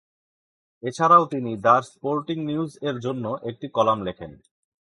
এছাড়াও তিনি "the sporting নিউজ"-এর জন্য একটি কলাম লেখেন।